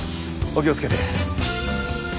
お気を付けて。